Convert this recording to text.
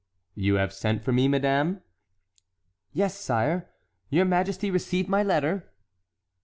"You have sent for me, madame?" "Yes, sire. Your majesty received my letter?"